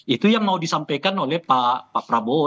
itu yang mau disampaikan oleh pak prabowo